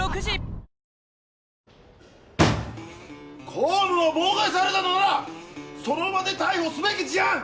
⁉公務を妨害されたのならその場で逮捕すべき事案！